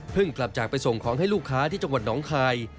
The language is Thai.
กลับจากไปส่งของให้ลูกค้าที่จังหวัดหนองคาย